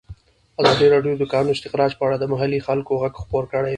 ازادي راډیو د د کانونو استخراج په اړه د محلي خلکو غږ خپور کړی.